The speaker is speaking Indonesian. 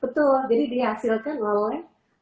betul jadi dihasilkan oleh